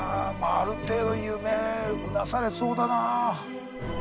ある程度夢うなされそうだな。